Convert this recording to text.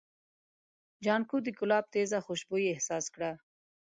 جانکو د ګلاب تېزه خوشبويي احساس کړه.